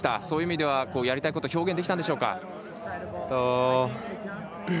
そういう意味では、やりたいこと表現できたんでしょうか。